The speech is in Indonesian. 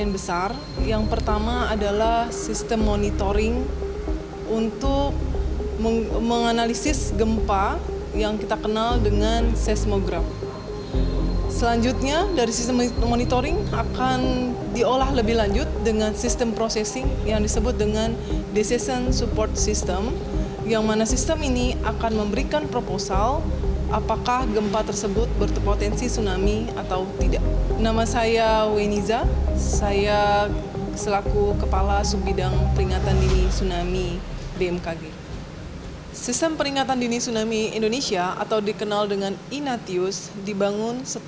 berita terkini dari bukit bintang